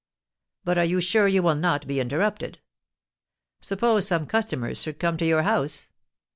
'But are you sure you will not be interrupted? Suppose some customers should come to your house?'